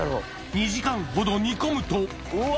２時間ほど煮込むとうわ。